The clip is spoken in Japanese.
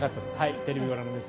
テレビをご覧の皆さん